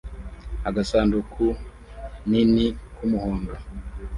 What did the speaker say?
agasanduku nini k'umuhondo